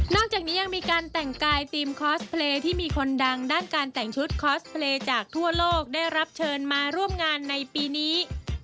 จากนี้ยังมีการแต่งกายธีมคอสเพลย์ที่มีคนดังด้านการแต่งชุดคอสเพลย์จากทั่วโลกได้รับเชิญมาร่วมงานในปีนี้